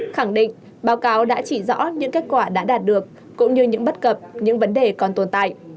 khẳng định báo cáo đã chỉ rõ những kết quả đã đạt được cũng như những bất cập những vấn đề còn tồn tại